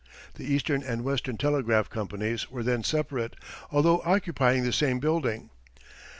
The Eastern and Western Telegraph Companies were then separate, although occupying the same building.